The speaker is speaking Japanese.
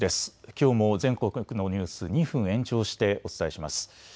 きょうも全国のニュース２分延長してお伝えします。